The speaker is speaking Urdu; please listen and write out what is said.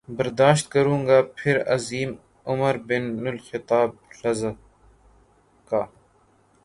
برداشت کروں گا پھر عظیم عمر بن الخطاب رض کا